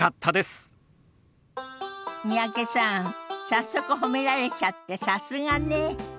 早速褒められちゃってさすがね。